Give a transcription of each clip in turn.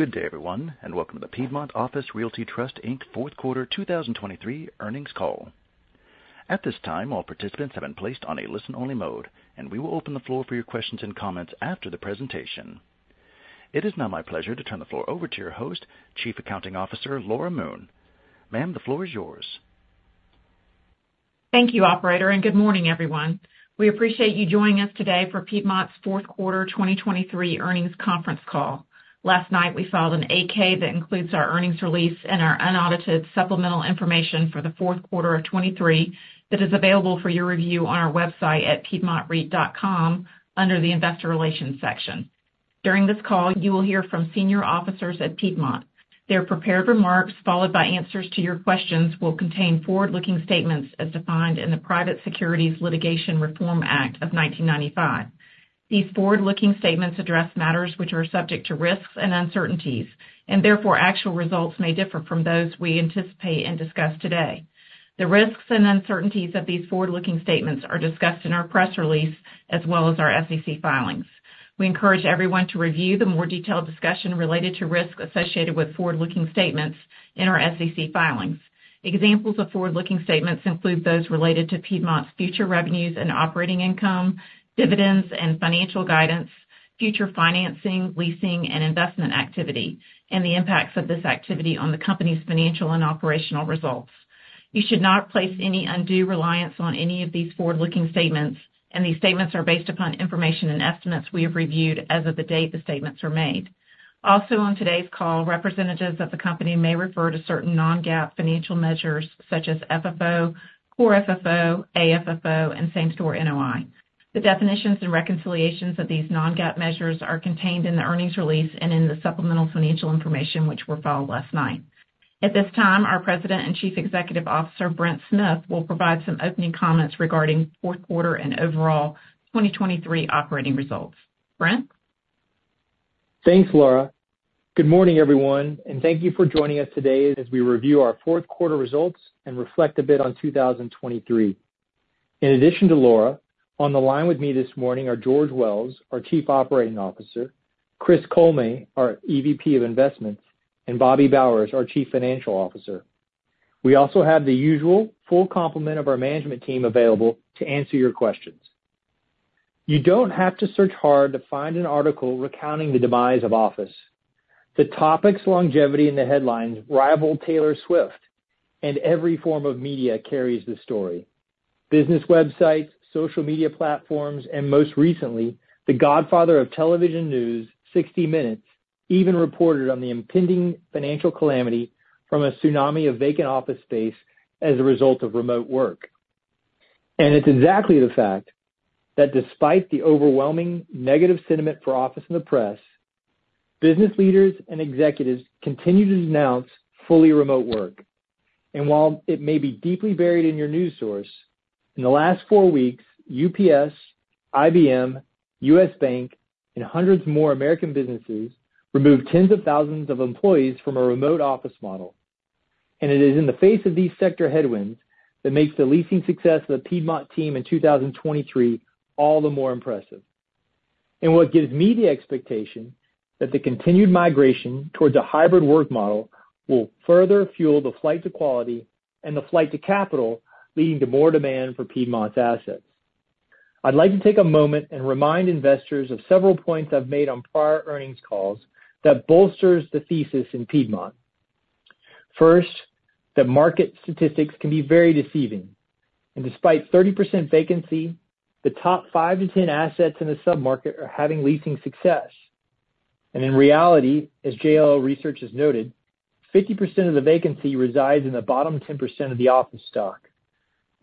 Good day, everyone, and welcome to the Piedmont Office Realty Trust, Inc. Fourth Quarter 2023 Earnings Call. At this time, all participants have been placed on a listen-only mode, and we will open the floor for your questions and comments after the presentation. It is now my pleasure to turn the floor over to your host, Chief Accounting Officer, Laura Moon. Ma'am, the floor is yours. Thank you, Operator, and good morning, everyone. We appreciate you joining us today for Piedmont's Fourth Quarter 2023 Earnings Conference Call. Last night, we filed an 8-K that includes our earnings release and our unaudited supplemental information for the fourth quarter of 2023. That is available for your review on our website at piedmontreit.com under the Investor Relations section. During this call, you will hear from senior officers at Piedmont. Their prepared remarks, followed by answers to your questions, will contain forward-looking statements as defined in the Private Securities Litigation Reform Act of 1995. These forward-looking statements address matters which are subject to risks and uncertainties, and therefore actual results may differ from those we anticipate and discuss today. The risks and uncertainties of these forward-looking statements are discussed in our press release as well as our SEC filings. We encourage everyone to review the more detailed discussion related to risks associated with forward-looking statements in our SEC filings. Examples of forward-looking statements include those related to Piedmont's future revenues and operating income, dividends and financial guidance, future financing, leasing, and investment activity, and the impacts of this activity on the company's financial and operational results. You should not place any undue reliance on any of these forward-looking statements, and these statements are based upon information and estimates we have reviewed as of the date the statements are made. Also, on today's call, representatives of the company may refer to certain non-GAAP financial measures such as FFO, core FFO, AFFO, and same-store NOI. The definitions and reconciliations of these non-GAAP measures are contained in the earnings release and in the supplemental financial information, which were filed last night. At this time, our President and Chief Executive Officer, Brent Smith, will provide some opening comments regarding fourth quarter and overall 2023 operating results. Brent? Thanks, Laura. Good morning, everyone, and thank you for joining us today as we review our fourth quarter results and reflect a bit on 2023. In addition to Laura, on the line with me this morning are George Wells, our Chief Operating Officer, Chris Kollme, our EVP of Investments, and Bobby Bowers, our Chief Financial Officer. We also have the usual full complement of our management team available to answer your questions. You don't have to search hard to find an article recounting the demise of office. The topic's longevity in the headlines rival Taylor Swift, and every form of media carries the story. Business websites, social media platforms, and most recently, the godfather of television news, 60 Minutes, even reported on the impending financial calamity from a tsunami of vacant office space as a result of remote work. It's exactly the fact that despite the overwhelming negative sentiment for office in the press, business leaders and executives continue to denounce fully remote work. While it may be deeply buried in your news source, in the last four weeks, UPS, IBM, US Bank, and hundreds more American businesses removed tens of thousands of employees from a remote office model. It is in the face of these sector headwinds that makes the leasing success of the Piedmont team in 2023 all the more impressive. What gives me the expectation that the continued migration towards a hybrid work model will further fuel the flight to quality and the flight to capital, leading to more demand for Piedmont's assets. I'd like to take a moment and remind investors of several points I've made on prior earnings calls that bolsters the thesis in Piedmont. First, the market statistics can be very deceiving, and despite 30% vacancy, the top 5-10 assets in the submarket are having leasing success. In reality, as JLL Research has noted, 50% of the vacancy resides in the bottom 10% of the office stock.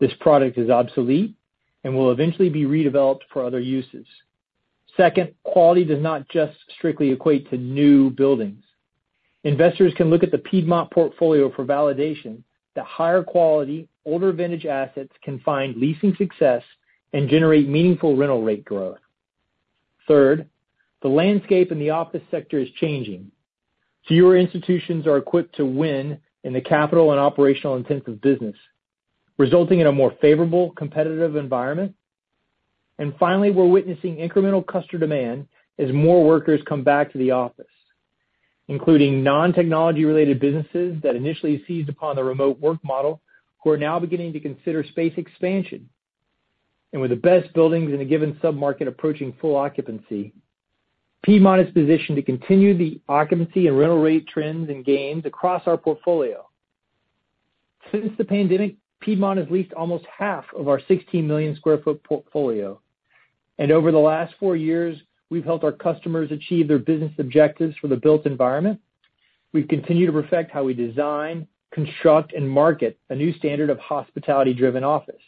This product is obsolete and will eventually be redeveloped for other uses. Second, quality does not just strictly equate to new buildings. Investors can look at the Piedmont portfolio for validation that higher quality, older vintage assets can find leasing success and generate meaningful rental rate growth. Third, the landscape in the office sector is changing. Fewer institutions are equipped to win in the capital and operational intensive business, resulting in a more favorable competitive environment. Finally, we're witnessing incremental customer demand as more workers come back to the office, including non-technology related businesses that initially seized upon the remote work model, who are now beginning to consider space expansion. With the best buildings in a given submarket approaching full occupancy, Piedmont is positioned to continue the occupancy and rental rate trends and gains across our portfolio. Since the pandemic, Piedmont has leased almost half of our 16 million sq ft portfolio, and over the last 4 years, we've helped our customers achieve their business objectives for the built environment. We've continued to perfect how we design, construct, and market a new standard of hospitality-driven office.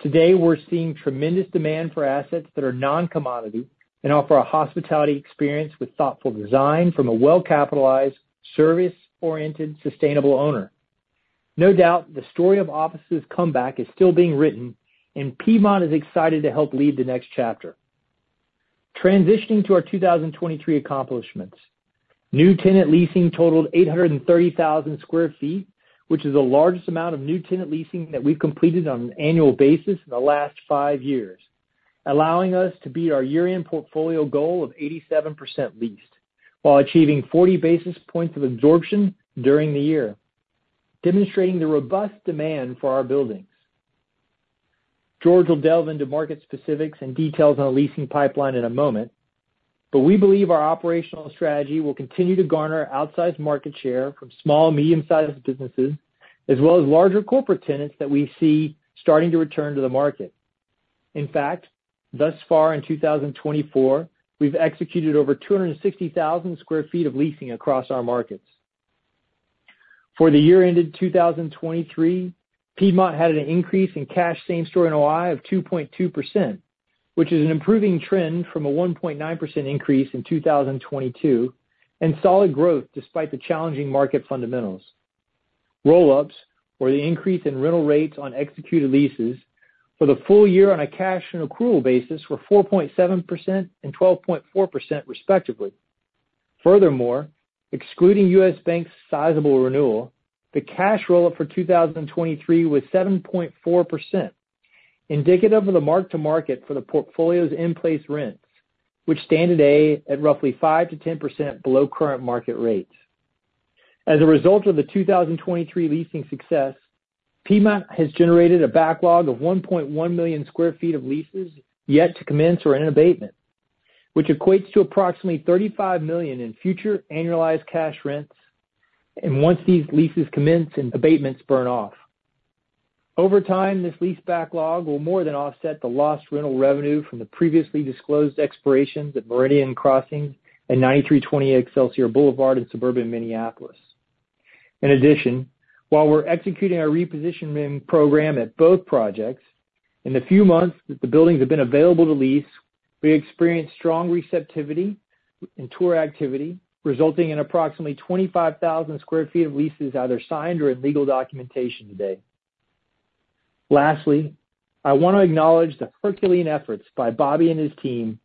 Today, we're seeing tremendous demand for assets that are non-commodity and offer a hospitality experience with thoughtful design from a well-capitalized, service-oriented, sustainable owner. No doubt, the story of office's comeback is still being written, and Piedmont is excited to help lead the next chapter. Transitioning to our 2023 accomplishments. New tenant leasing totaled 830,000 sq ft, which is the largest amount of new tenant leasing that we've completed on an annual basis in the last five years, allowing us to beat our year-end portfolio goal of 87% leased, while achieving 40 basis points of absorption during the year, demonstrating the robust demand for our buildings. George will delve into market specifics and details on our leasing pipeline in a moment, but we believe our operational strategy will continue to garner outsized market share from small, medium-sized businesses, as well as larger corporate tenants that we see starting to return to the market. In fact, thus far in 2024, we've executed over 260,000 sq ft of leasing across our markets. For the year ended 2023, Piedmont had an increase in cash same-store NOI of 2.2%, which is an improving trend from a 1.9% increase in 2022, and solid growth despite the challenging market fundamentals. Roll-ups, or the increase in rental rates on executed leases for the full year on a cash and accrual basis, were 4.7% and 12.4%, respectively. Furthermore, excluding US Bank's sizable renewal, the cash roll-up for 2023 was 7.4%, indicative of the mark to market for the portfolio's in-place rents, which stand today at roughly 5%-10% below current market rates. As a result of the 2023 leasing success, Piedmont has generated a backlog of 1.1 million sq ft of leases yet to commence or in abatement, which equates to approximately $35 million in future annualized cash rents, and once these leases commence and abatements burn off, over time, this lease backlog will more than offset the lost rental revenue from the previously disclosed expirations at Meridian Crossing and 9320 Excelsior Boulevard in suburban Minneapolis. In addition, while we're executing our repositioning program at both projects, in the few months that the buildings have been available to lease, we experienced strong receptivity and tour activity, resulting in approximately 25,000 sq ft of leases either signed or in legal documentation today. Lastly, I want to acknowledge the herculean efforts by Bobby and his team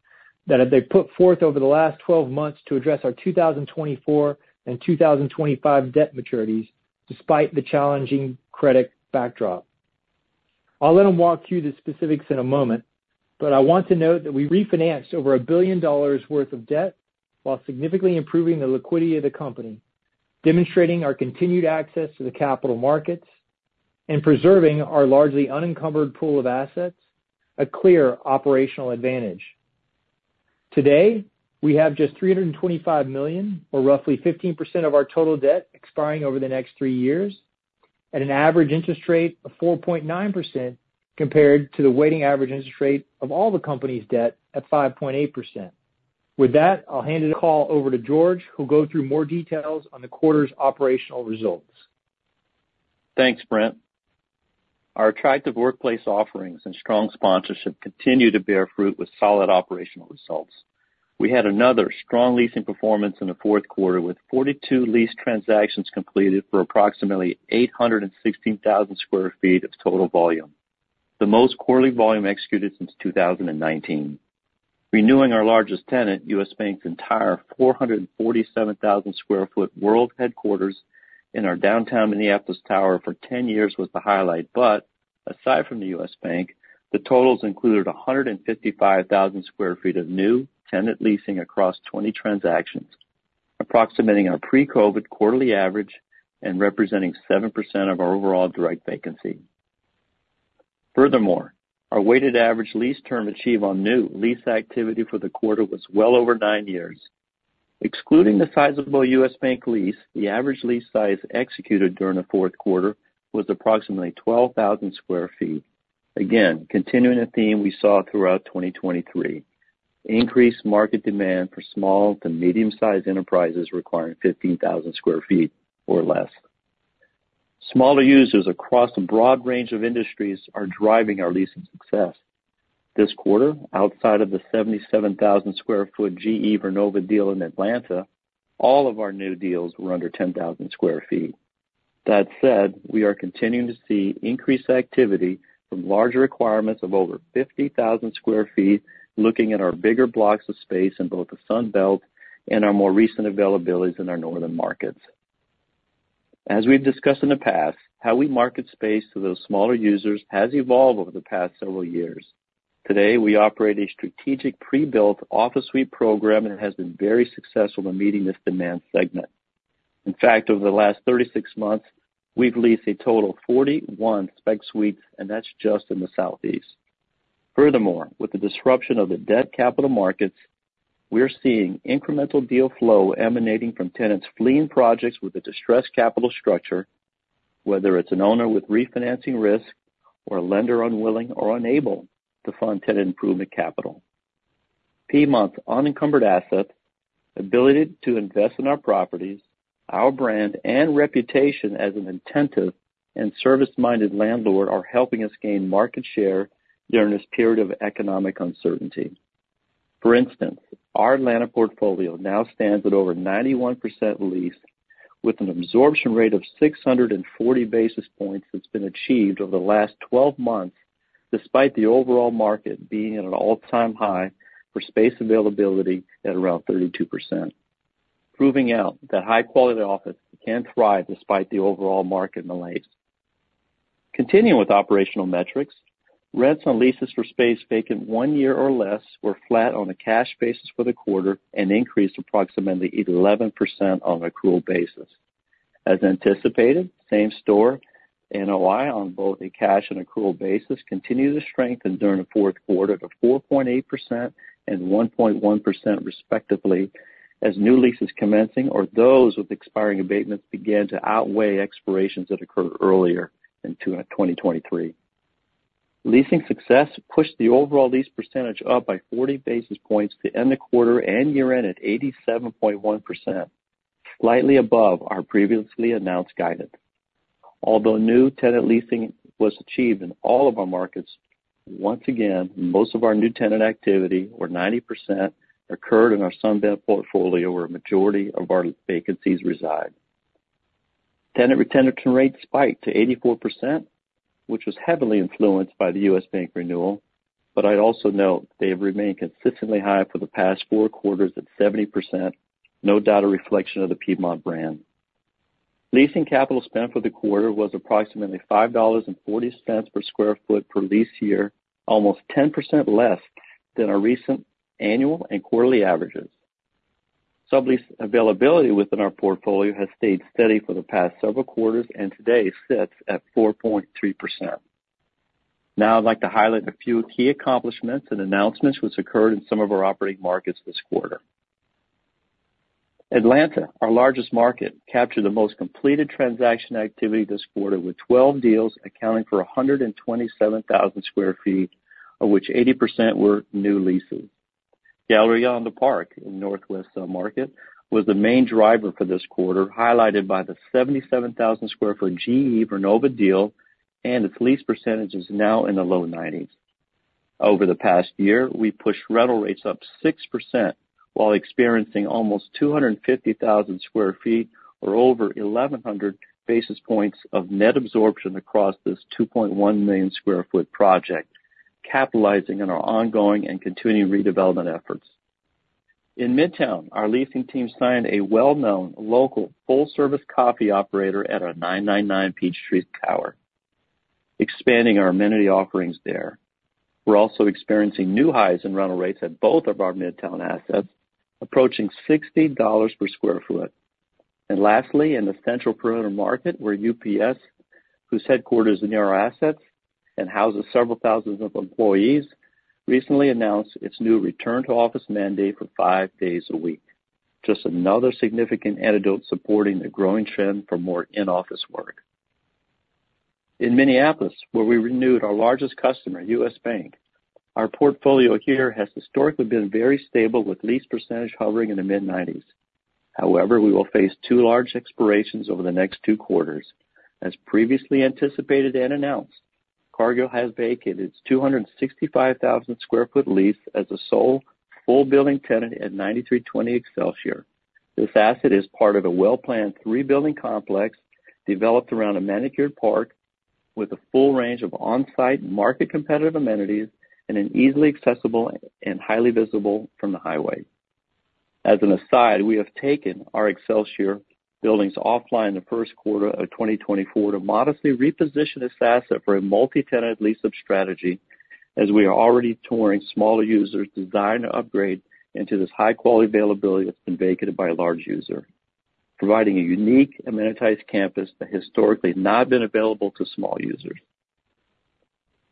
that they put forth over the last 12 months to address our 2024 and 2025 debt maturities, despite the challenging credit backdrop. I'll let him walk through the specifics in a moment, but I want to note that we refinanced over $1 billion worth of debt while significantly improving the liquidity of the company, demonstrating our continued access to the capital markets and preserving our largely unencumbered pool of assets, a clear operational advantage. Today, we have just $325 million, or roughly 15% of our total debt, expiring over the next three years at an average interest rate of 4.9%, compared to the weighted average interest rate of all the company's debt at 5.8%. With that, I'll hand the call over to George, who'll go through more details on the quarter's operational results. Thanks, Brent. Our attractive workplace offerings and strong sponsorship continue to bear fruit with solid operational results. We had another strong leasing performance in the fourth quarter, with 42 lease transactions completed for approximately 816,000 sq ft of total volume, the most quarterly volume executed since 2019. Renewing our largest tenant, US Bank's entire 447,000 sq ft world headquarters in our Downtown Minneapolis tower for 10 years was the highlight. But aside from the US Bank, the totals included 155,000 sq ft of new tenant leasing across 20 transactions, approximating our pre-COVID quarterly average and representing 7% of our overall direct vacancy. Furthermore, our weighted average lease term achieved on new lease activity for the quarter was well over nine years. Excluding the sizable US Bank lease, the average lease size executed during the fourth quarter was approximately 12,000 sq ft. Again, continuing a theme we saw throughout 2023, increased market demand for small to medium-sized enterprises requiring 15,000 sq ft or less. Smaller users across a broad range of industries are driving our leasing success. This quarter, outside of the 77,000 sq ft GE Vernova deal in Atlanta, all of our new deals were under 10,000 sq ft. That said, we are continuing to see increased activity from larger requirements of over 50,000 sq ft, looking at our bigger blocks of space in both the Sun Belt and our more recent availabilities in our northern markets. As we've discussed in the past, how we market space to those smaller users has evolved over the past several years. Today, we operate a strategic pre-built office suite program, and it has been very successful in meeting this demand segment. In fact, over the last 36 months, we've leased a total of 41 spec suites, and that's just in the Southeast. Furthermore, with the disruption of the debt capital markets, we're seeing incremental deal flow emanating from tenants fleeing projects with a distressed capital structure, whether it's an owner with refinancing risk or a lender unwilling or unable to fund tenant improvement capital. Piedmont's unencumbered assets, ability to invest in our properties, our brand, and reputation as an intensive and service-minded landlord are helping us gain market share during this period of economic uncertainty. For instance, our Atlanta portfolio now stands at over 91% leased, with an absorption rate of 640 basis points that's been achieved over the last 12 months, despite the overall market being at an all-time high for space availability at around 32%... proving out that high quality office can thrive despite the overall market malaise. Continuing with operational metrics, rents on leases for space vacant 1 year or less were flat on a cash basis for the quarter, and increased approximately 11% on an accrual basis. As anticipated, same-store NOI on both a cash and accrual basis continued to strengthen during the fourth quarter to 4.8% and 1.1%, respectively, as new leases commencing, or those with expiring abatements began to outweigh expirations that occurred earlier in 2, in 2023. Leasing success pushed the overall lease percentage up by 40 basis points to end the quarter and year-end at 87.1%, slightly above our previously announced guidance. Although new tenant leasing was achieved in all of our markets, once again, most of our new tenant activity, or 90%, occurred in our Sun Belt portfolio, where a majority of our vacancies reside. Tenant retention rates spiked to 84%, which was heavily influenced by the US Bank renewal. But I'd also note they have remained consistently high for the past four quarters at 70%, no doubt a reflection of the Piedmont brand. Leasing capital spent for the quarter was approximately $5.40 per sq ft per lease year, almost 10% less than our recent annual and quarterly averages. Sublease availability within our portfolio has stayed steady for the past several quarters and today sits at 4.3%. Now I'd like to highlight a few key accomplishments and announcements which occurred in some of our operating markets this quarter. Atlanta, our largest market, captured the most completed transaction activity this quarter, with 12 deals accounting for 127,000 sq ft, of which 80% were new leases. Galleria on the Park, in Northwest market, was the main driver for this quarter, highlighted by the 77,000 sq ft GE Vernova deal, and its lease percentage is now in the low 90s. Over the past year, we've pushed rental rates up 6% while experiencing almost 250,000 sq ft, or over 1,100 basis points of net absorption across this 2.1 million sq ft project, capitalizing on our ongoing and continuing redevelopment efforts. In Midtown, our leasing team signed a well-known local full service coffee operator at our 999 Peachtree Street tower, expanding our amenity offerings there. We're also experiencing new highs in rental rates at both of our Midtown assets, approaching $60 per sq ft. Lastly, in the central perimeter market, where UPS, whose headquarters is in our assets and houses several thousands of employees, recently announced its new return to office mandate for five days a week. Just another significant anecdote supporting the growing trend for more in-office work. In Minneapolis, where we renewed our largest customer, US Bank, our portfolio here has historically been very stable, with lease percentage hovering in the mid-90s. However, we will face two large expirations over the next two quarters. As previously anticipated and announced, Cargill has vacated its 265,000 sq ft lease as the sole full building tenant at 9320 Excelsior Boulevard. This asset is part of a well-planned three building complex developed around a manicured park with a full range of on-site market competitive amenities and an easily accessible and highly visible from the highway. As an aside, we have taken our Excelsior buildings offline the first quarter of 2024 to modestly reposition this asset for a multi-tenant lease-up strategy, as we are already touring smaller users desiring to upgrade into this high-quality availability that's been vacated by a large user, providing a unique amenitized campus that historically has not been available to small users.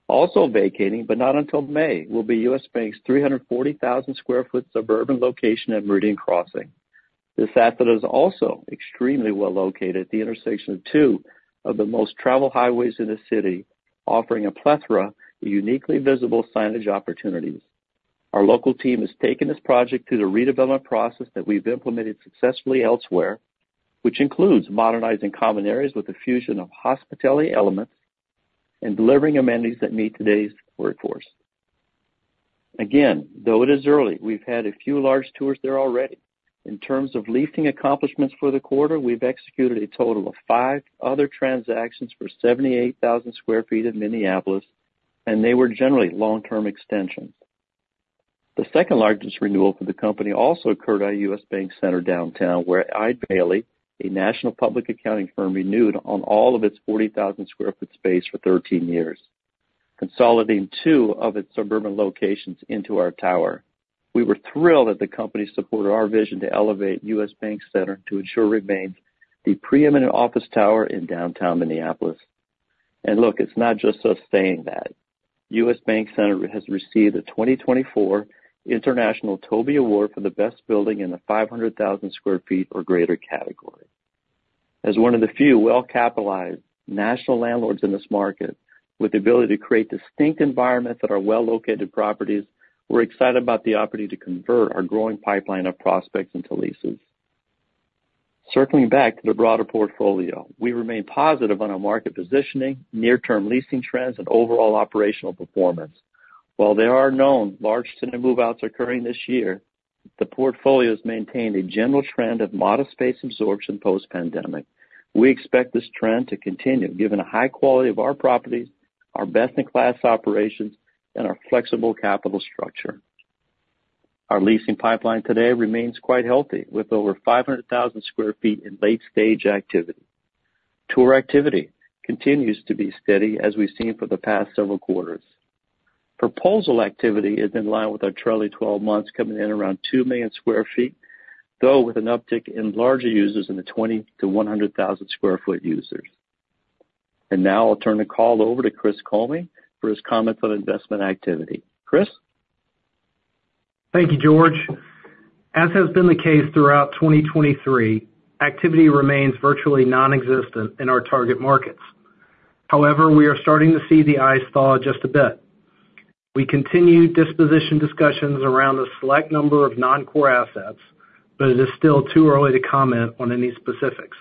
Also vacating, but not until May, will be US Bank's 340,000 sq ft suburban location at Meridian Crossing. This asset is also extremely well located at the intersection of two of the most traveled highways in the city, offering a plethora of uniquely visible signage opportunities. Our local team has taken this project through the redevelopment process that we've implemented successfully elsewhere, which includes modernizing common areas with a fusion of hospitality elements and delivering amenities that meet today's workforce. Again, though it is early, we've had a few large tours there already. In terms of leasing accomplishments for the quarter, we've executed a total of five other transactions for 78,000 sq ft in Minneapolis, and they were generally long-term extensions. The second largest renewal for the company also occurred at US Bank Center downtown, where Eide Bailly, a national public accounting firm, renewed on all of its 40,000 sq ft space for 13 years, consolidating two of its suburban locations into our tower. We were thrilled that the company supported our vision to elevate US Bank Center to ensure it remains the preeminent office tower in downtown Minneapolis. Look, it's not just us saying that. US Bank Center has received a 2024 international TOBY Award for the best building in the 500,000 sq ft or greater category. As one of the few well-capitalized national landlords in this market, with the ability to create distinct environments that are well-located properties, we're excited about the opportunity to convert our growing pipeline of prospects into leases. Circling back to the broader portfolio, we remain positive on our market positioning, near-term leasing trends, and overall operational performance. While there are known large tenant move-outs occurring this year, the portfolio has maintained a general trend of modest space absorption post-pandemic. We expect this trend to continue, given the high quality of our properties, Our best-in-class operations, and our flexible capital structure. Our leasing pipeline today remains quite healthy, with over 500,000 sq ft in late-stage activity. Tour activity continues to be steady, as we've seen for the past several quarters. Proposal activity is in line with our trailing twelve months, coming in around 2 million sq ft, though with an uptick in larger users in the 20,000-100,000 sq ft users. Now I'll turn the call over to Chris Kollme for his comments on investment activity. Chris? Thank you, George. As has been the case throughout 2023, activity remains virtually nonexistent in our target markets. However, we are starting to see the ice thaw just a bit. We continue disposition discussions around a select number of non-core assets, but it is still too early to comment on any specifics.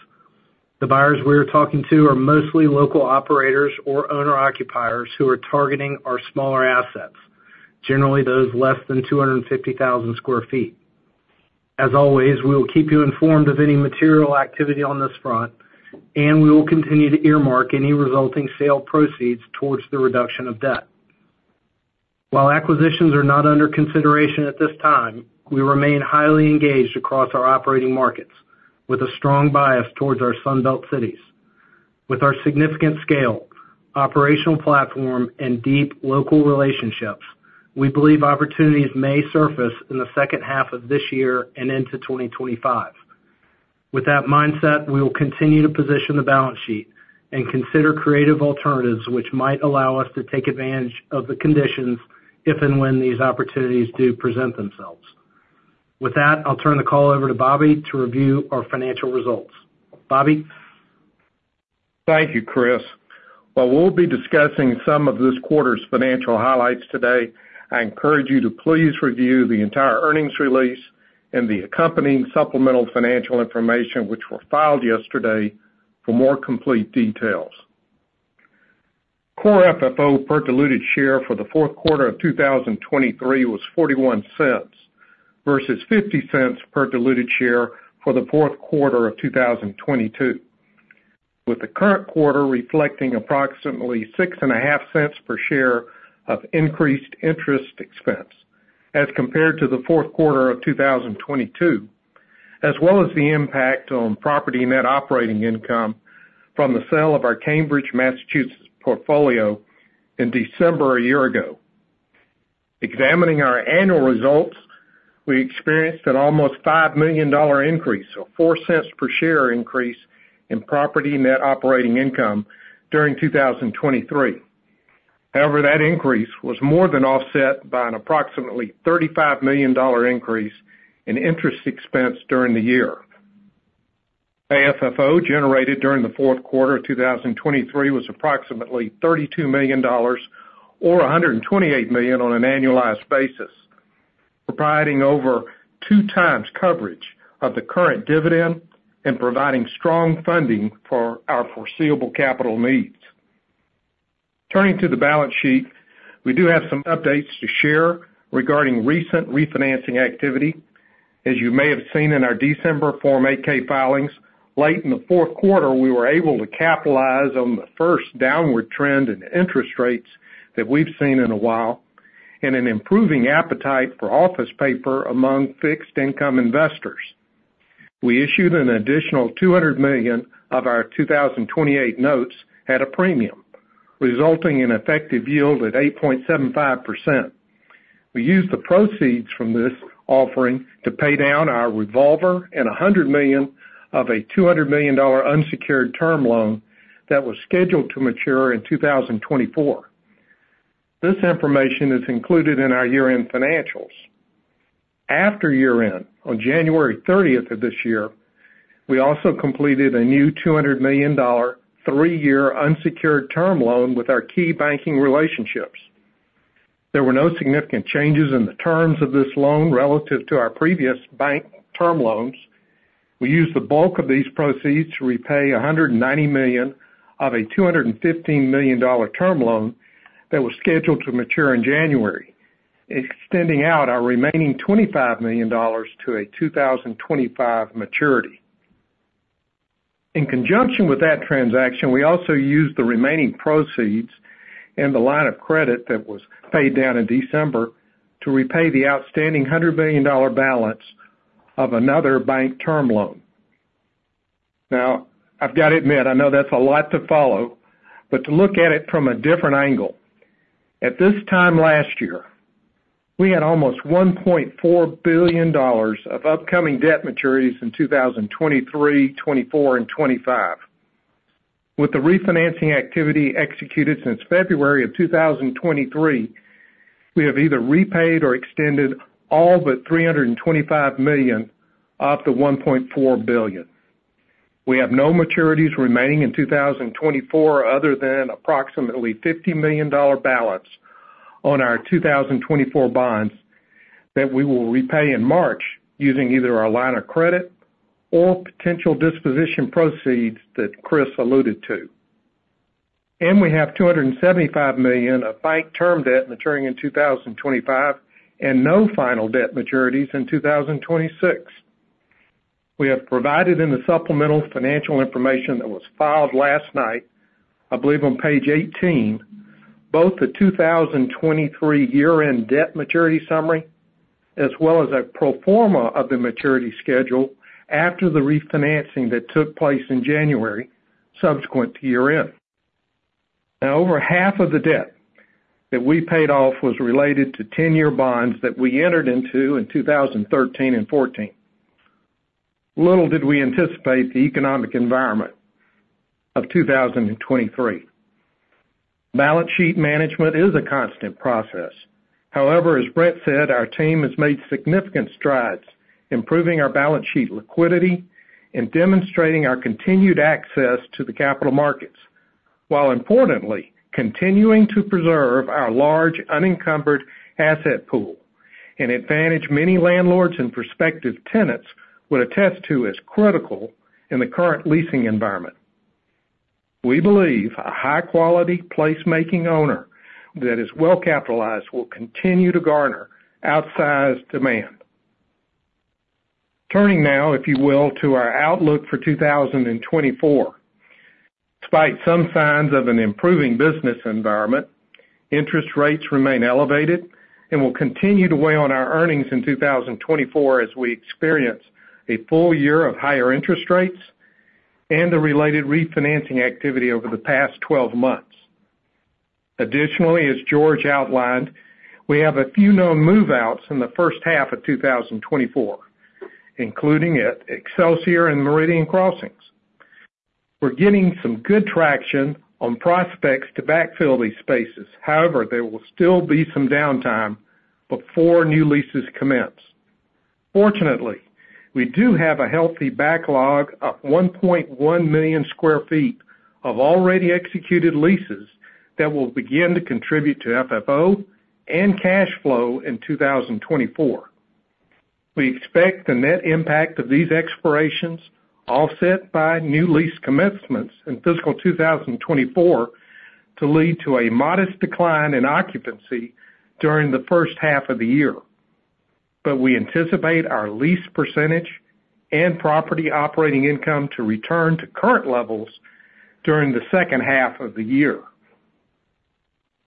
The buyers we are talking to are mostly local operators or owner-occupiers who are targeting our smaller assets, generally those less than 250,000 sq ft. As always, we will keep you informed of any material activity on this front, and we will continue to earmark any resulting sale proceeds towards the reduction of debt. While acquisitions are not under consideration at this time, we remain highly engaged across our operating markets, with a strong bias towards our Sun Belt cities. With our significant scale, operational platform, and deep local relationships, we believe opportunities may surface in the second half of this year and into 2025. With that mindset, we will continue to position the balance sheet and consider creative alternatives which might allow us to take advantage of the conditions if and when these opportunities do present themselves. With that, I'll turn the call over to Bobby to review our financial results. Bobby? Thank you, Chris. While we'll be discussing some of this quarter's financial highlights today, I encourage you to please review the entire earnings release and the accompanying supplemental financial information, which were filed yesterday, for more complete details. Core FFO per diluted share for the fourth quarter of 2023 was $0.41, versus $0.50 per diluted share for the fourth quarter of 2022, with the current quarter reflecting approximately $0.065 per share of increased interest expense as compared to the fourth quarter of 2022, as well as the impact on property net operating income from the sale of our Cambridge, Massachusetts, portfolio in December a year ago. Examining our annual results, we experienced an almost $5 million increase, or $0.04 per share increase, in property net operating income during 2023. However, that increase was more than offset by an approximately $35 million increase in interest expense during the year. AFFO, generated during the fourth quarter of 2023, was approximately $32 million or $128 million on an annualized basis, providing over 2 times coverage of the current dividend and providing strong funding for our foreseeable capital needs. Turning to the balance sheet, we do have some updates to share regarding recent refinancing activity. As you may have seen in our December Form 8-K filings, late in the fourth quarter, we were able to capitalize on the first downward trend in interest rates that we've seen in a while and an improving appetite for office paper among fixed income investors. We issued an additional $200 million of our 2028 notes at a premium, resulting in effective yield at 8.75%. We used the proceeds from this offering to pay down our revolver and $100 million of a $200 million unsecured term loan that was scheduled to mature in 2024. This information is included in our year-end financials. After year-end, on January 30 of this year, we also completed a new $200 million, 3-year unsecured term loan with our key banking relationships. There were no significant changes in the terms of this loan relative to our previous bank term loans. We used the bulk of these proceeds to repay $190 million of a $215 million term loan that was scheduled to mature in January, extending out our remaining $25 million to a 2025 maturity. In conjunction with that transaction, we also used the remaining proceeds and the line of credit that was paid down in December to repay the outstanding $100 million balance of another bank term loan. Now, I've got to admit, I know that's a lot to follow, but to look at it from a different angle, at this time last year, we had almost $1.4 billion of upcoming debt maturities in 2023, 2024, and 2025. With the refinancing activity executed since February of 2023, we have either repaid or extended all but $325 million of the $1.4 billion. We have no maturities remaining in 2024, other than approximately $50 million balance on our 2024 bonds that we will repay in March, using either our line of credit or potential disposition proceeds that Chris alluded to. We have $275 million of bank term debt maturing in 2025 and no final debt maturities in 2026.... we have provided in the supplemental financial information that was filed last night, I believe on page 18, both the 2023 year-end debt maturity summary, as well as a pro forma of the maturity schedule after the refinancing that took place in January, subsequent to year-end. Now, over half of the debt that we paid off was related to 10-year bonds that we entered into in 2013 and 2014. Little did we anticipate the economic environment of 2023. Balance sheet management is a constant process. However, as Brent said, our team has made significant strides improving our balance sheet liquidity and demonstrating our continued access to the capital markets, while importantly, continuing to preserve our large unencumbered asset pool, an advantage many landlords and prospective tenants would attest to as critical in the current leasing environment. We believe a high-quality placemaking owner that is well-capitalized will continue to garner outsized demand. Turning now, if you will, to our outlook for 2024. Despite some signs of an improving business environment, interest rates remain elevated and will continue to weigh on our earnings in 2024 as we experience a full year of higher interest rates and the related refinancing activity over the past 12 months. Additionally, as George outlined, we have a few known move-outs in the first half of 2024, including at Excelsior and Meridian Crossings. We're getting some good traction on prospects to backfill these spaces. However, there will still be some downtime before new leases commence. Fortunately, we do have a healthy backlog of 1.1 million sq ft of already executed leases that will begin to contribute to FFO and cash flow in 2024. We expect the net impact of these expirations, offset by new lease commencements in fiscal 2024, to lead to a modest decline in occupancy during the first half of the year. But we anticipate our lease percentage and property operating income to return to current levels during the second half of the year.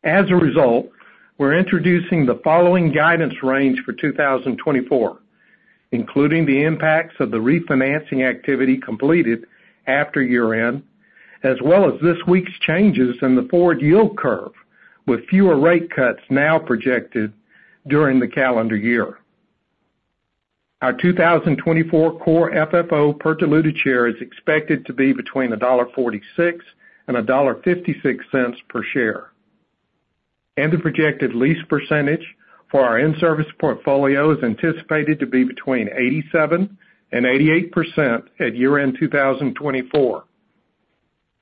As a result, we're introducing the following guidance range for 2024, including the impacts of the refinancing activity completed after year-end, as well as this week's changes in the forward yield curve, with fewer rate cuts now projected during the calendar year. Our 2024 core FFO per diluted share is expected to be between $1.46 and $1.56 per share, and the projected lease percentage for our in-service portfolio is anticipated to be between 87% and 88% at year-end 2024.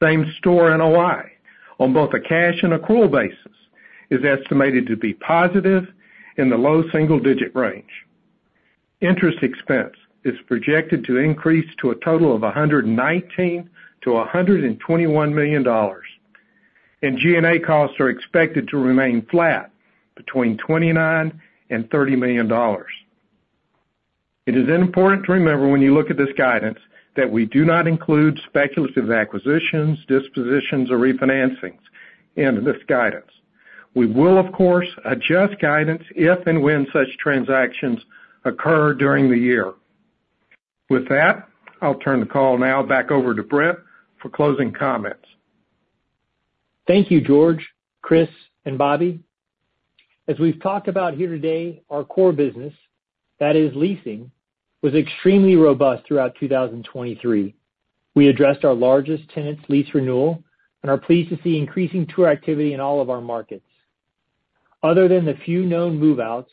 Same-Store NOI, on both a cash and accrual basis, is estimated to be positive in the low single-digit range. Interest expense is projected to increase to a total of $119 million-$121 million, and G&A costs are expected to remain flat between $29 million-$30 million. It is important to remember, when you look at this guidance, that we do not include speculative acquisitions, dispositions, or refinancings into this guidance. We will, of course, adjust guidance if and when such transactions occur during the year. With that, I'll turn the call now back over to Brent for closing comments. Thank you, George, Chris, and Bobby. As we've talked about here today, our core business, that is leasing, was extremely robust throughout 2023. We addressed our largest tenants lease renewal and are pleased to see increasing tour activity in all of our markets. Other than the few known move-outs,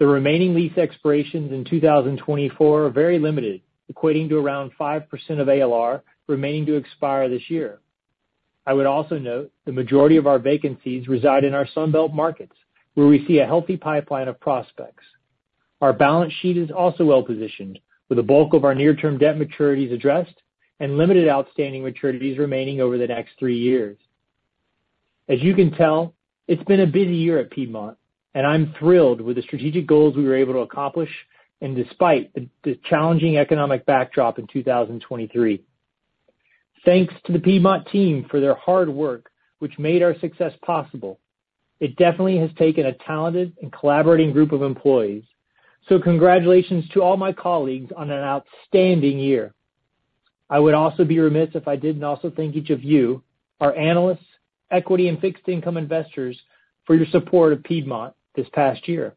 the remaining lease expirations in 2024 are very limited, equating to around 5% of ALR remaining to expire this year. I would also note the majority of our vacancies reside in our Sun Belt markets, where we see a healthy pipeline of prospects. Our balance sheet is also well-positioned, with the bulk of our near-term debt maturities addressed and limited outstanding maturities remaining over the next three years. As you can tell, it's been a busy year at Piedmont, and I'm thrilled with the strategic goals we were able to accomplish, and despite the challenging economic backdrop in 2023. Thanks to the Piedmont team for their hard work, which made our success possible. It definitely has taken a talented and collaborative group of employees, so congratulations to all my colleagues on an outstanding year. I would also be remiss if I didn't also thank each of you, our analysts, equity, and fixed income investors, for your support of Piedmont this past year.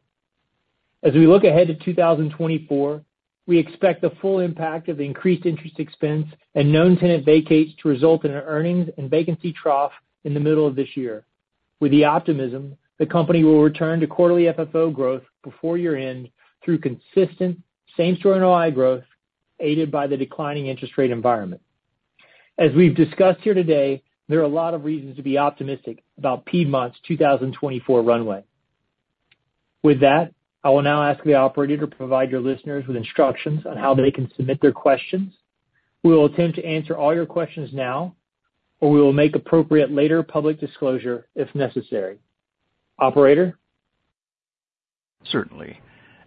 As we look ahead to 2024, we expect the full impact of the increased interest expense and known tenant vacates to result in an earnings and vacancy trough in the middle of this year. With the optimism, the company will return to quarterly FFO growth before year-end through consistent same-store NOI growth, aided by the declining interest rate environment. As we've discussed here today, there are a lot of reasons to be optimistic about Piedmont's 2024 runway. With that, I will now ask the operator to provide your listeners with instructions on how they can submit their questions. We will attempt to answer all your questions now, or we will make appropriate later public disclosure, if necessary. Operator? Certainly.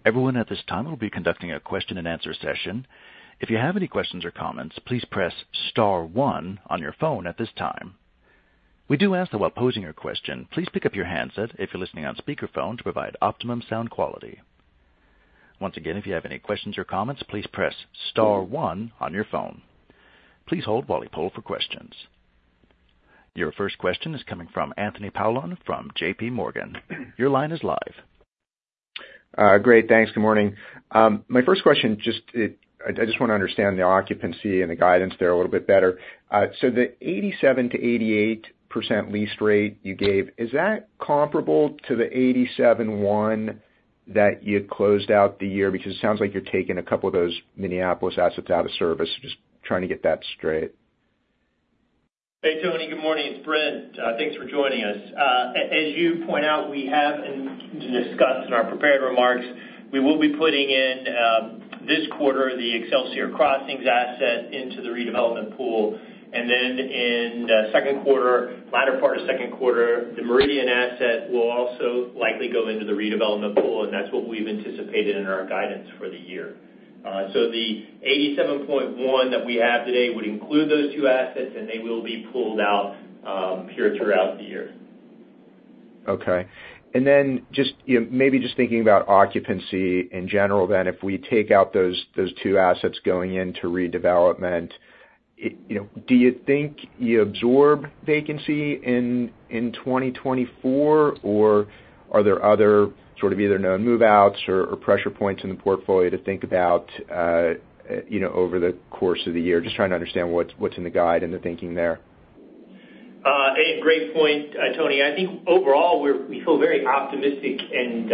Everyone at this time will be conducting a question and answer session. If you have any questions or comments, please press star one on your phone at this time. We do ask that while posing your question, please pick up your handset if you're listening on speakerphone, to provide optimum sound quality. Once again, if you have any questions or comments, please press star one on your phone. Please hold while we poll for questions. Your first question is coming from Anthony Paolone from JPMorgan. Your line is live. Great, thanks. Good morning. My first question, just, I just want to understand the occupancy and the guidance there a little bit better. So the 87%-88% lease rate you gave, is that comparable to the 87% one that you had closed out the year? Because it sounds like you're taking a couple of those Minneapolis assets out of service. Just trying to get that straight. Hey, Tony. Good morning. It's Brent. Thanks for joining us. As you point out, we have discussed in our prepared remarks, we will be putting in this quarter the Excelsior Crossings asset into the redevelopment pool, and then in the second quarter, latter part of second quarter, the Meridian asset will also likely go into the redevelopment pool, and that's what we've anticipated in our guidance for the year. So the 87.1 that we have today would include those two assets, and they will be pulled out here throughout the year. Okay. And then just, you know, maybe just thinking about occupancy in general, then if we take out those two assets going into redevelopment, it, you know, do you think you absorbed vacancy in 2024, or are there other sort of either known move-outs or pressure points in the portfolio to think about, you know, over the course of the year? Just trying to understand what's in the guide and the thinking there. A great point, Tony. I think overall, we feel very optimistic and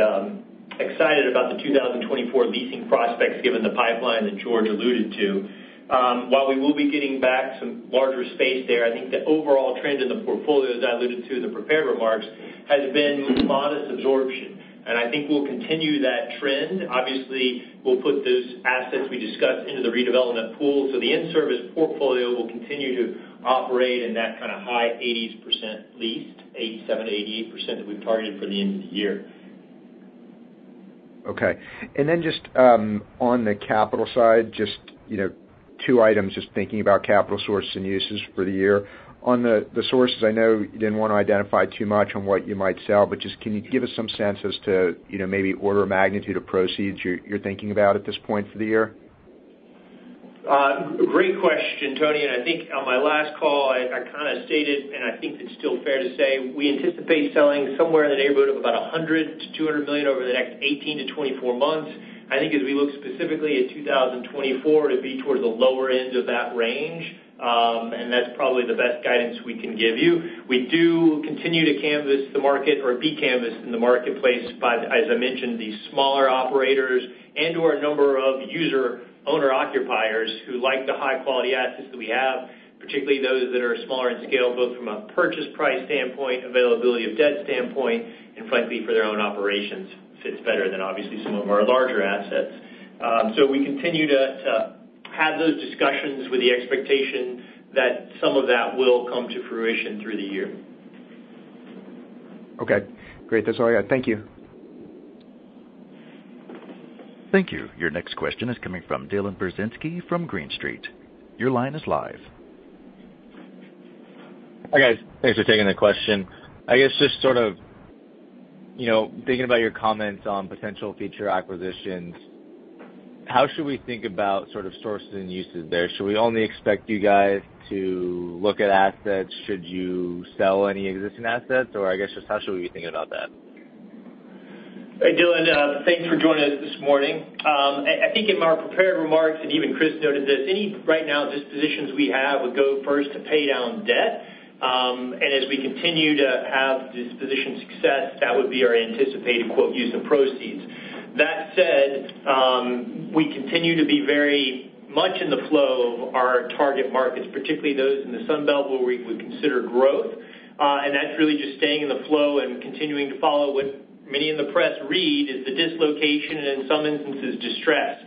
excited about the 2024 leasing prospects, given the pipeline that George alluded to. While we will be getting back some larger space there, I think the overall trend in the portfolio, as I alluded to in the prepared remarks, has been modest absorption, and I think we'll continue that trend. Obviously, we'll put those assets we discussed into the redevelopment pool. So the in-service portfolio will continue to operate in that kind of high 80s% leased, 87%-88% that we've targeted for the end of the year. Okay. And then just, on the capital side, just, you know, two items, just thinking about capital source and uses for the year. On the, the sources, I know you didn't want to identify too much on what you might sell, but just, can you give us some sense as to, you know, maybe order of magnitude of proceeds you're, you're thinking about at this point for the year? Great question, Tony. And I think on my last call, I kind of stated, and I think it's still fair to say, we anticipate selling somewhere in the neighborhood of about $100 million-$200 million over the next 18-24 months. I think as we look specifically at 2024, to be towards the lower end of that range, and that's probably the best guidance we can give you. We do continue to canvass the market or be canvassed in the marketplace, but as I mentioned, the smaller operators and/or a number of user owner-occupiers who like the high-quality assets that we have, particularly those that are smaller in scale, both from a purchase price standpoint, availability of debt standpoint, and frankly, for their own operations, fits better than obviously some of our larger assets. So we continue to have those discussions with the expectation that some of that will come to fruition through the year. Okay, great. That's all I got. Thank you. Thank you. Your next question is coming from Dylan Burzinski from Green Street. Your line is live. Hi, guys. Thanks for taking the question. I guess, just sort of, you know, thinking about your comments on potential future acquisitions, how should we think about sort of sources and uses there? Should we only expect you guys to look at assets? Should you sell any existing assets? Or I guess, just how should we think about that? Hey, Dylan, thanks for joining us this morning. I think in our prepared remarks, and even Chris noted this, any right now dispositions we have would go first to pay down debt. And as we continue to have disposition success, that would be our anticipated, quote, "use of proceeds." That said, we continue to be very much in the flow of our target markets, particularly those in the Sun Belt, where we would consider growth. And that's really just staying in the flow and continuing to follow what many in the press read is the dislocation and in some instances, distress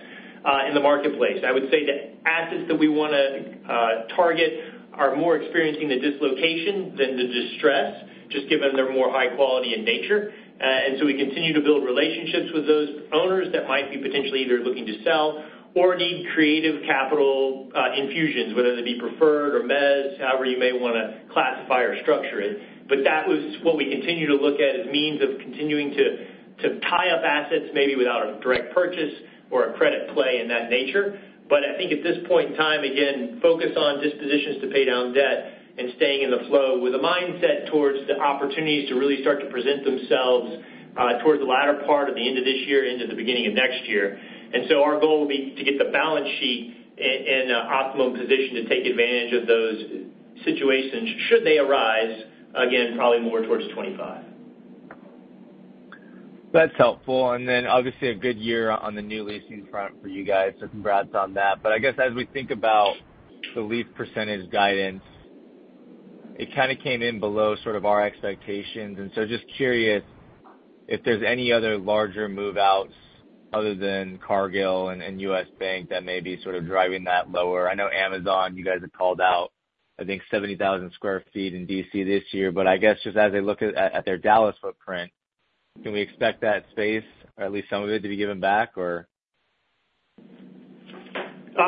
in the marketplace. I would say the assets that we wanna target are more experiencing the dislocation than the distress, just given they're more high quality in nature. And so we continue to build relationships with those owners that might be potentially either looking to sell or need creative capital infusions, whether it be preferred or mezz, however you may wanna classify or structure it. But that was what we continue to look at as means of continuing to tie up assets, maybe without a direct purchase or a credit play in that nature. But I think at this point in time, again, focus on dispositions to pay down debt and staying in the flow with a mindset towards the opportunities to really start to present themselves towards the latter part of the end of this year, into the beginning of next year. And so our goal will be to get the balance sheet in optimal position to take advantage of those situations, should they arise, again, probably more towards 2025. That's helpful. And then obviously, a good year on the new leasing front for you guys, so congrats on that. But I guess as we think about the lease percentage guidance, it kind of came in below sort of our expectations. And so just curious if there's any other larger move-outs. Other than Cargill and U.S. Bank that may be sort of driving that lower. I know Amazon, you guys have called out, I think, 70,000 sq ft in D.C. this year. But I guess, just as I look at their Dallas footprint, can we expect that space, or at least some of it, to be given back, or? Thanks,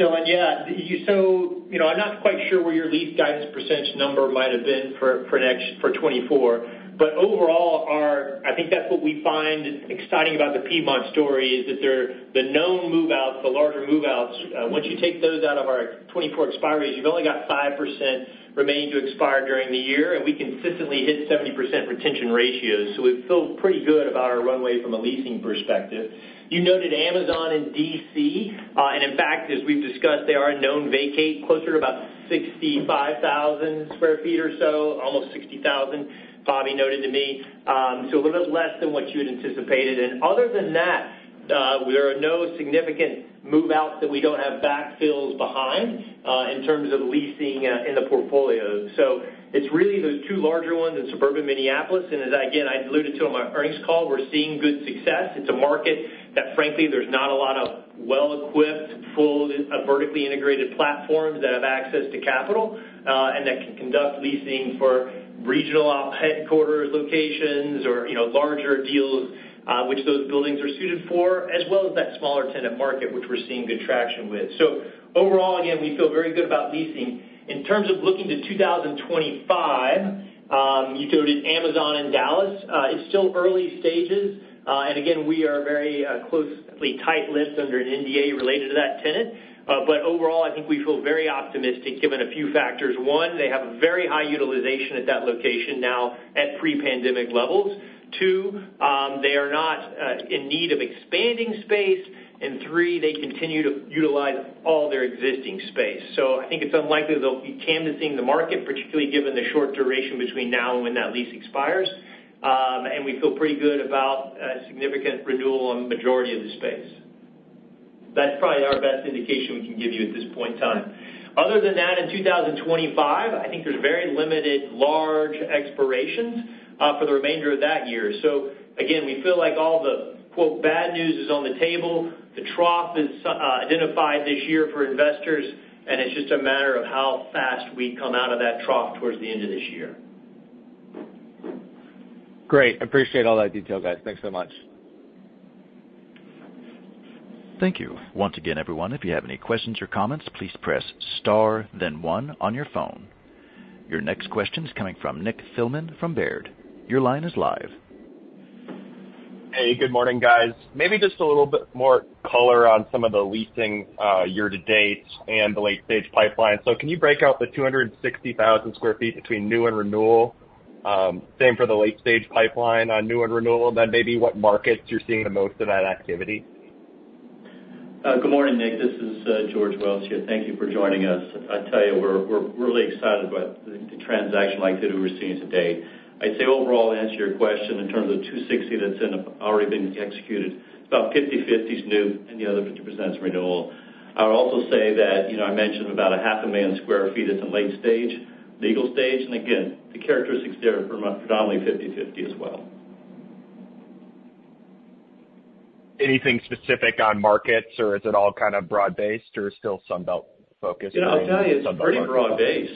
Dylan. Yeah, so, you know, I'm not quite sure where your lease guidance percentage number might have been for next for 2024. But overall, our, I think that's what we find exciting about the Piedmont story, is that they're the known move-outs, the larger move-outs, once you take those out of our 2024 expiries, you've only got 5% remaining to expire during the year, and we consistently hit 70% retention ratios. So we feel pretty good about our runway from a leasing perspective. You noted Amazon in D.C., and in fact, as we've discussed, they are a known vacate, closer to about 65,000 sq ft or so, almost 60,000, Bobby noted to me. So a little less than what you had anticipated. Other than that, there are no significant move-outs that we don't have backfills behind, in terms of leasing, in the portfolio. It's really those two larger ones in suburban Minneapolis, and as, again, I alluded to on my earnings call, we're seeing good success. It's a market that, frankly, there's not a lot of well-equipped, full, vertically integrated platforms that have access to capital, and that can conduct leasing for regional op headquarters locations or, you know, larger deals, which those buildings are suited for, as well as that smaller tenant market, which we're seeing good traction with. Overall, again, we feel very good about leasing. In terms of looking to 2025, you noted Amazon and Dallas. It's still early stages, and again, we are very closely tight-lipped under an NDA related to that tenant. But overall, I think we feel very optimistic given a few factors. One, they have a very high utilization at that location now, at pre-pandemic levels. Two, they are not in need of expanding space. And three, they continue to utilize all their existing space. So I think it's unlikely they'll be canvassing the market, particularly given the short duration between now and when that lease expires. And we feel pretty good about a significant renewal on the majority of the space. That's probably our best indication we can give you at this point in time. Other than that, in 2025, I think there's very limited large expirations for the remainder of that year. So again, we feel like all the, quote, "bad news" is on the table. The trough is identified this year for investors, and it's just a matter of how fast we come out of that trough towards the end of this year. Great. Appreciate all that detail, guys. Thanks so much. Thank you. Once again, everyone, if you have any questions or comments, please press star then one on your phone. Your next question is coming from Nick Thillman from Baird. Your line is live. Hey, good morning, guys. Maybe just a little bit more color on some of the leasing, year to date and the late-stage pipeline. So can you break out the 260,000 sq ft between new and renewal? Same for the late-stage pipeline on new and renewal, then maybe what markets you're seeing the most of that activity? Good morning, Nick. This is George Wells here. Thank you for joining us. I tell you, we're really excited about the transaction activity we're seeing today. I'd say, overall, to answer your question, in terms of the 260 that's already been executed, about 50/50 is new and the other 50% is renewal. I would also say that, you know, I mentioned about 500,000 sq ft is in late stage, legal stage. Again, the characteristics there are predominantly 50/50 as well. Anything specific on markets, or is it all kind of broad-based or still Sun Belt focused? Yeah, I'll tell you, it's pretty broad-based.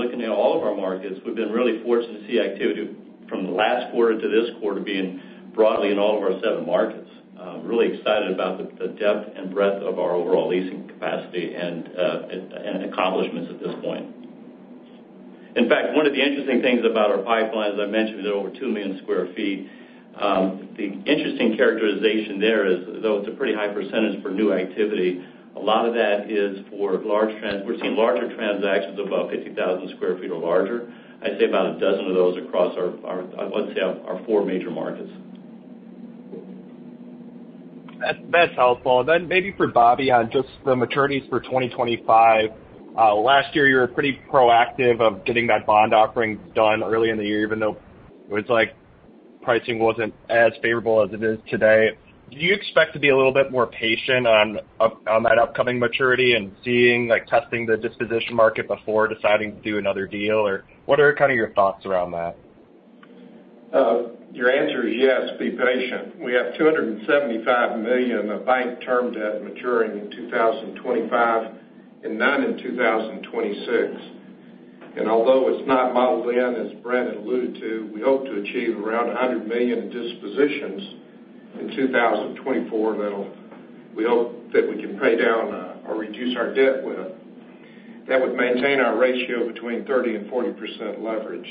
Looking at all of our markets, we've been really fortunate to see activity from the last quarter to this quarter being broadly in all of our seven markets. Really excited about the depth and breadth of our overall leasing capacity and accomplishments at this point. In fact, one of the interesting things about our pipeline, as I mentioned, is over 2 million sq ft. The interesting characterization there is, though it's a pretty high percentage for new activity, a lot of that is for large—we're seeing larger transactions above 50,000 sq ft or larger. I'd say about a dozen of those across our, I'd say, our four major markets. That's helpful. Then maybe for Bobby, on just the maturities for 2025. Last year, you were pretty proactive of getting that bond offering done early in the year, even though it was like pricing wasn't as favorable as it is today. Do you expect to be a little bit more patient on that upcoming maturity and seeing, like, testing the disposition market before deciding to do another deal? Or what are kind of your thoughts around that? Your answer is yes, be patient. We have $275 million of bank term debt maturing in 2025, and none in 2026. Although it's not modeled in, as Brent alluded to, we hope to achieve around $100 million in dispositions in 2024, that'll we hope that we can pay down or reduce our debt with. That would maintain our ratio between 30% and 40% leverage.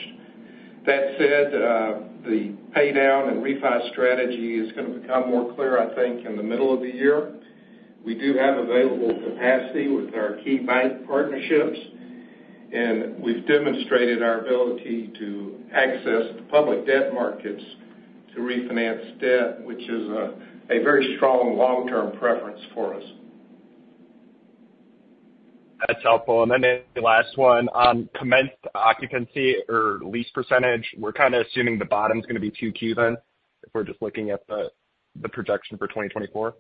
That said, the pay down and refi strategy is gonna become more clear, I think, in the middle of the year. We do have available capacity with our key bank partnerships, and we've demonstrated our ability to access the public debt markets to refinance debt, which is a very strong long-term preference for us. That's helpful. Then the last one, on commenced occupancy or lease percentage, we're kind of assuming the bottom's gonna be 2Q then, if we're just looking at the projection for 2024?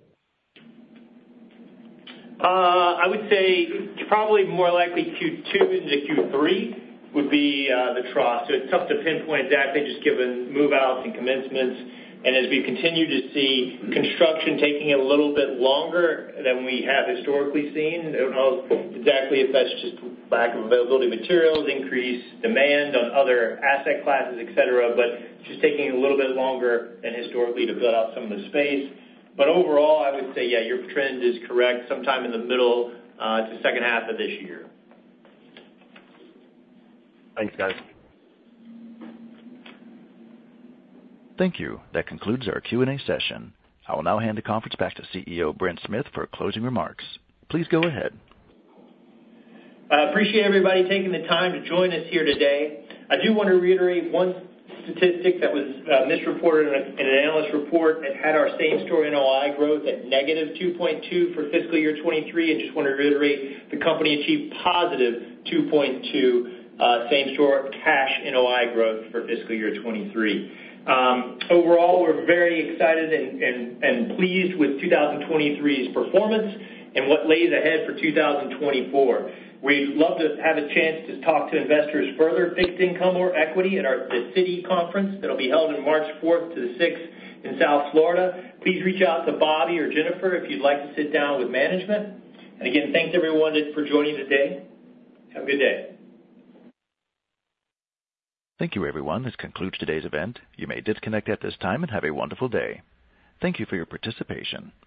I would say probably more likely Q2 into Q3 would be the trough. So it's tough to pinpoint exactly, just given move-outs and commencements. And as we continue to see construction taking a little bit longer than we have historically seen, I don't know exactly if that's just lack of availability of materials, increased demand on other asset classes, et cetera, but just taking a little bit longer than historically to build out some of the space. But overall, I would say, yeah, your trend is correct. Sometime in the middle to second half of this year. Thanks, guys. Thank you. That concludes our Q&A session. I will now hand the conference back to CEO, Brent Smith, for closing remarks. Please go ahead. I appreciate everybody taking the time to join us here today. I do want to reiterate one statistic that was misreported in an analyst report that had our same-store NOI growth at -2.2% for fiscal year 2023. I just want to reiterate, the company achieved +2.2% same-store cash NOI growth for fiscal year 2023. Overall, we're very excited and pleased with 2023's performance and what lays ahead for 2024. We'd love to have a chance to talk to investors further, fixed income or equity, at the Citi Conference that'll be held on March 4-6 in South Florida. Please reach out to Bobby or Jennifer if you'd like to sit down with management. And again, thanks everyone for joining today. Have a good day. Thank you, everyone. This concludes today's event. You may disconnect at this time and have a wonderful day. Thank you for your participation.